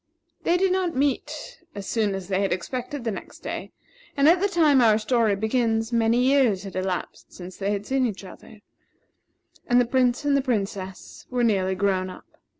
They did not meet as soon as they had expected the next day; and at the time our story begins, many years had elapsed since they had seen each other, and the Prince and the Princess were nearly grown up.